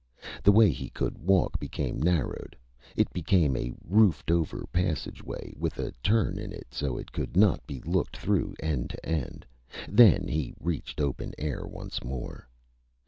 The way he could walk became narrowed. It became a roofed over passageway, with a turn in it so it could not be looked through end to end. Then he reached open air once more.